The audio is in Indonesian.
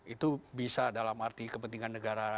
itu bisa dalam arti kepentingan negara